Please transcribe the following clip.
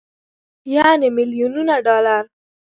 يعنې ميليونونه ډالر.